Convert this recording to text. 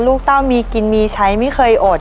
เต้ามีกินมีใช้ไม่เคยอด